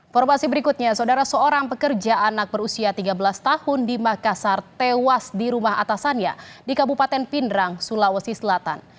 formasi berikutnya saudara seorang pekerja anak berusia tiga belas tahun di makassar tewas di rumah atasannya di kabupaten pindrang sulawesi selatan